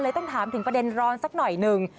ต้องถามถึงประเด็นร้อนสักหน่อยหนึ่ง